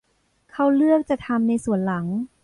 เขาเลือกจะทำในส่วนหลัง